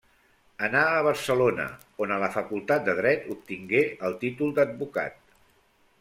Anà a Barcelona on a la Facultat de Dret obtingué el títol d'advocat.